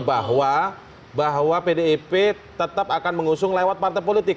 bahwa pdip tetap akan mengusung lewat partai politik